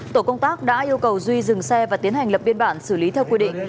tổ công tác đã yêu cầu duy dừng xe và tiến hành lập biên bản xử lý theo quy định